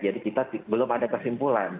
jadi kita belum ada kesimpulan